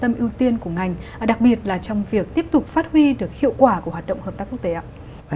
tâm ưu tiên của ngành đặc biệt là trong việc tiếp tục phát huy được hiệu quả của hoạt động hợp tác quốc tế ạ